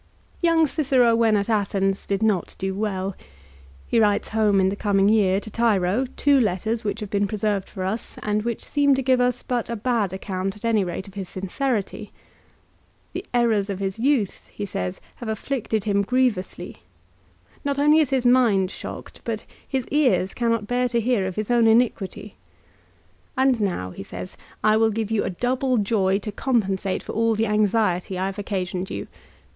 Young Cicero when at Athens did not do well. He writes home in the coming year, to Tiro, two letters which have been preserved for us, and which seem to give us but a bad account at any rate of his sincerity. " The errors of his youth," he says, " have afflicted him grievously." " Not only is his mind shocked, but his ears cannot bear to hear of his own iniquity." 2 1 Ad Att. lib. xii. 32. 2 Ad Div. lib. xvi. 21. 188 LIFE OF CICERO. . "And now," he says, "I will give you a double joy to compensate all the anxiety I have occasioned you.